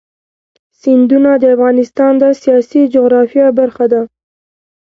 سیندونه د افغانستان د سیاسي جغرافیه برخه ده.